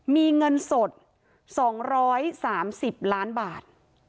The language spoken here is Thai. มีเงินสด๒๓๐ล้านบาท